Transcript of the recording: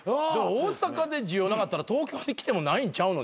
大阪で需要なかったら東京に来てもないんちゃうの？